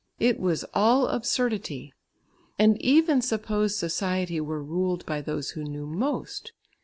It was all absurdity! And even suppose society were ruled by those who knew most.